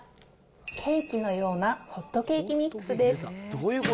ケーキのようなホットケーキミックスです。